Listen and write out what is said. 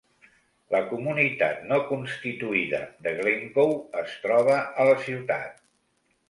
La comunitat no constituïda de Glencoe es troba a la ciutat.